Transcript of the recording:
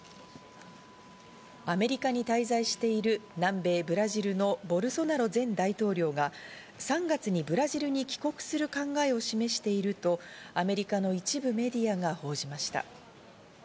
アメリカに滞在している南米ブラジルのボルソナロ前大統領が３月にブラジルに帰国する考えを示していると、アメリカの一部メディアが報じました。